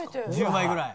１０枚ぐらい。